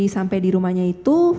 sampai di rumahnya itu